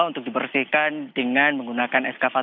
untuk dibersihkan dengan menggunakan eskavator